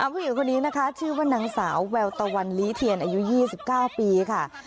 ผู้หญิงคนนี้นะคะชื่อว่านางสาวแววตะวันลีเทียนอายุ๒๙ปีค่ะ